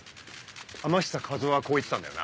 天久一魚はこう言ってたんだよな？